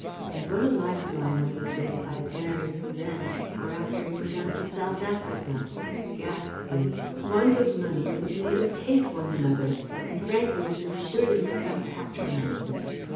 And what a life mine would have been if I had married him then; or after he went out to South Africa! Ghastly! Want of money would have made us hate one another and Frank would have been sure to become patronizing.